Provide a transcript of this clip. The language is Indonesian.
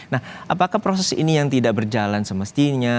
nah apakah proses ini yang tidak berjalan semestinya